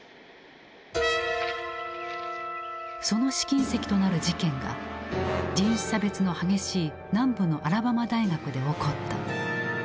その試金石となる事件が人種差別の激しい南部のアラバマ大学で起こった。